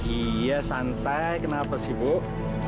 iya santai kenapa sibuk